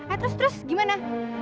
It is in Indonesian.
eh terus terus gimana